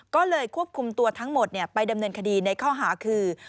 ก็เลยควบคุมตัวทั้งหมดไปดำเนินคดีในข้อหาคือ